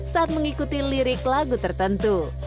saat mengikuti lirik lagu tertentu